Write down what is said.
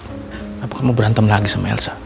kenapa kamu berantem lagi sama elsa